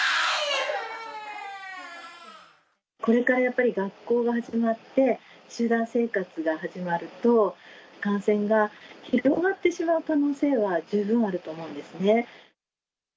これからやっぱり学校が始まって、集団生活が始まると、感染が広がってしまう可能性は十分あると思うんですね。